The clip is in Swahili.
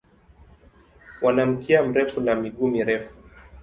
Wana mkia mrefu na miguu mirefu.